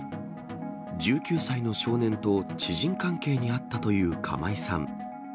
１９歳の少年と知人関係にあったという釜井さん。